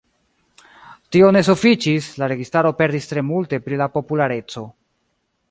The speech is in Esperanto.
Tio ne sufiĉis, la registaro perdis tre multe pri la populareco.